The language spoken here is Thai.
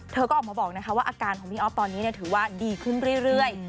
เธอก็ออกมาบอกนะคะว่าอาการของพี่อ๊อฟตอนนี้ถือว่าดีขึ้นเรื่อย